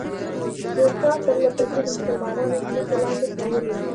روسان پرله پسې د مسلمانانو ځمکې لاندې کولې.